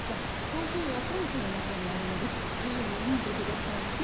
コーヒーはテントの中にあるので自由に飲んでくださんせ。